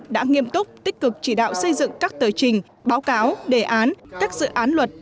đã nghiêm túc tích cực chỉ đạo xây dựng các tờ trình báo cáo đề án các dự án luật